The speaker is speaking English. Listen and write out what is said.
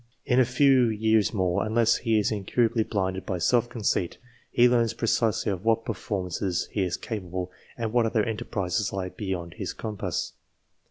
In a few years more, unless he is incurably blinded by self conceit, he learns precisely of what performances he is capable, and what other enterprises lie beyond his compass.